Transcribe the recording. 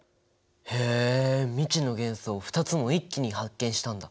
へえ未知の元素を２つも一気に発見したんだ。